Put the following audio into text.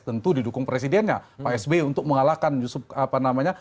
tentu didukung presidennya pak sby untuk mengalahkan yusuf apa namanya